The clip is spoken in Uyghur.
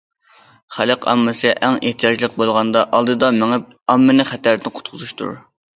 خەلق ئاممىسى ئەڭ ئېھتىياجلىق بولغاندا ئالدىدا مېڭىپ، ئاممىنى خەتەردىن قۇتقۇزۇشتۇر.